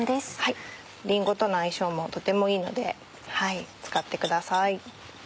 りんごとの相性もとてもいいので使ってください。